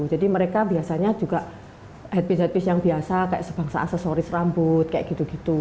jadi mereka biasanya juga hat piece hat piece yang biasa kayak sebangsa aksesoris rambut kayak gitu gitu